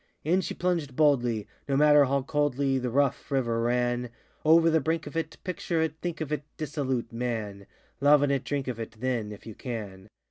In she plunged boldly, No matter how coldly The rough river ran, ŌĆö Over the brink of it, Picture it, ŌĆöthink of it, Dissolute Man! Lave in it, drink of it Then, if you can!